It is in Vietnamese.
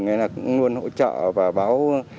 nên là luôn hỗ trợ và báo